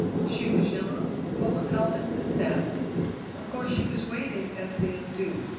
She was young, full of health and success. Of course she was waiting as the young do.